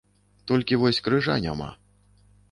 Толькі вось крыжа няма.